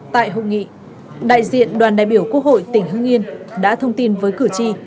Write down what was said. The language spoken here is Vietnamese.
tại hội nghị đại diện đoàn đại biểu quốc hội tỉnh hưng yên đã thông tin với cử tri